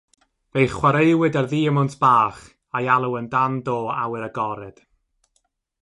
Fe'i chwaraewyd ar ddiemwnt bach a'i alw yn dan do-awyr agored.